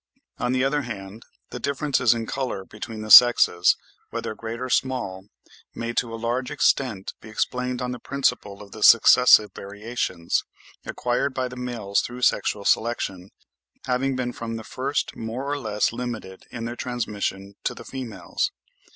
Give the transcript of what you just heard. On the other hand, the differences in colour between the sexes, whether great or small, may to a large extent be explained on the principle of the successive variations, acquired by the males through sexual selection, having been from the first more or less limited in their transmission to the females.